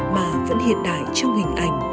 mà vẫn hiện đại trong hình ảnh